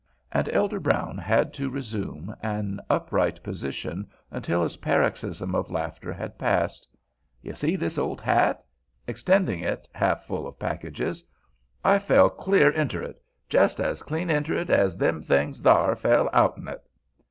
And Elder Brown had to resume an upright position until his paroxysm of laughter had passed. "You see this old hat?" extending it, half full of packages; "I fell clear inter it; jes' as clean inter it as them things thar fell out'n it."